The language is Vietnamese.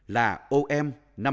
là om năm nghìn bốn trăm năm mươi một